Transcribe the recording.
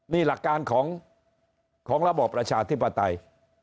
นี่หลักการของระบอบประชาธิปไตย